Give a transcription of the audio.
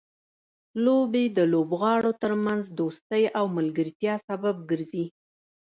لوبې د لوبغاړو ترمنځ دوستۍ او ملګرتیا سبب ګرځي.